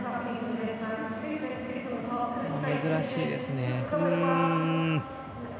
珍しいですね。